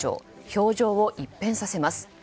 表情を一変させます。